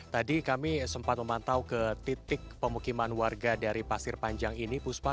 tadi kami sempat memantau ke titik pemukiman warga dari pasir panjang ini puspa